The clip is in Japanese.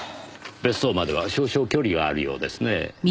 別荘までは少々距離があるようですね。